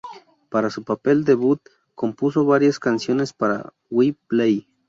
Para su papel debut, compuso varias canciones para "Wii Play".